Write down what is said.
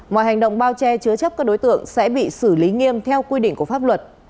mọi hành động bao che chứa chấp các đối tượng sẽ bị xử lý nghiêm theo quy định của pháp luật